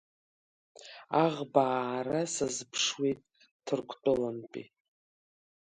Аӷба аара сазыԥшуеит Ҭырқәтәылантәи.